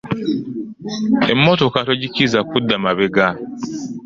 Emmotoka togikkiriza kudda mabega.